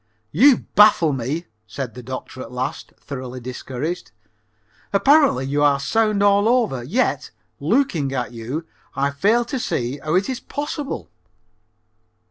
"You baffle me," said the doctor at last, thoroughly discouraged. "Apparently you are sound all over, yet, looking at you, I fail to see how it is possible."